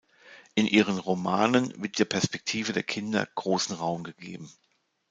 In ihren Romanen wird der Perspektive der Kinder großen Raum gegeben.